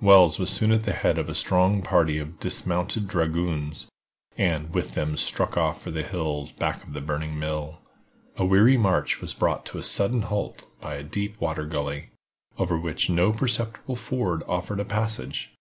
Wells was soon at the head of a strong party of dismounted dragoons, and with them struck off for the hills back of the burning mill. A weary march was brought to a sudden halt by a deep water gully, over which no perceptible ford offered a passage.